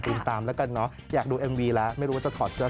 แท็ทฟอร์มเลยนะครับไปหาฟังได้